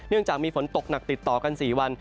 จากมีฝนตกหนักติดต่อกัน๔วัน